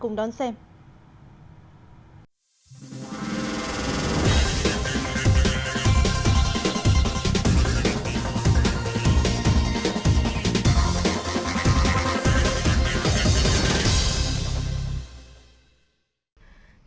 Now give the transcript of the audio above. chương trình chào ngày mới